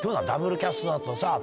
ダブルキャストだとさ